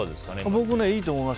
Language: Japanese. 僕いいと思います。